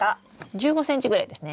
１５ｃｍぐらいですね。